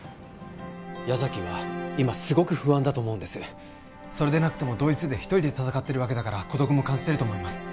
矢崎は今すごく不安だと思うんですそれでなくてもドイツで一人で戦ってるわけだから孤独も感じてると思います